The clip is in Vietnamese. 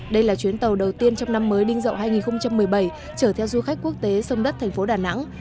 đây là chuyến tàu đầu tiên trong năm mới đinh dậu hai nghìn một mươi bảy chở theo du khách quốc tế sông đất thành phố đà nẵng